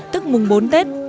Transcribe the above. tức mùng bốn tết